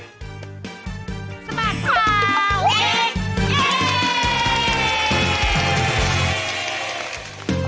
สบัดข่าวเด็ก